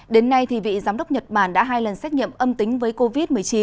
đến nay vị giám đốc nhật bản đã hai lần xét nghiệm âm tính với covid một mươi chín